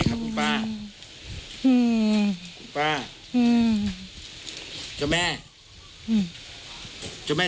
เข้ามาไม่ได้กัน